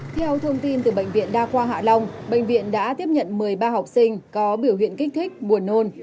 theo thông tin từ bệnh viện đa khoa hạ long bệnh viện đã tiếp nhận một mươi ba học sinh có biểu hiện kích thích buồn nôn